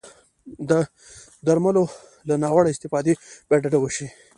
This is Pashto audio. د درملو له ناوړه استفادې باید ډډه وشي.